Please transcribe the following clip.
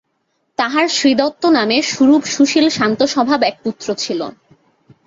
তাঁহার শ্রীদত্ত নামে সুরূপ সুশীল শান্তস্বভাব এক পুত্র ছিল।